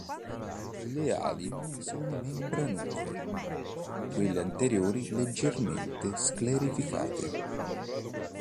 Le ali sono membranose, quelle anteriori leggermente sclerificate.